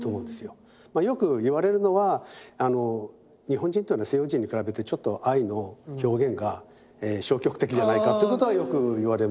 よく言われるのは日本人というのは西洋人に比べてちょっと愛の表現が消極的じゃないかっていうことはよく言われますよね。